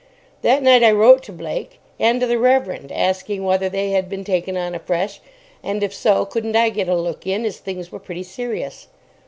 That night I wrote to Blake and to the Reverend asking whether they had been taken on afresh, and if so, couldn't I get a look in, as things were pretty serious.